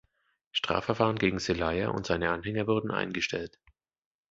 Strafverfahren gegen Zelaya und seine Anhänger wurden eingestellt.